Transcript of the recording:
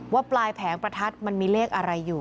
ปลายแผงประทัดมันมีเลขอะไรอยู่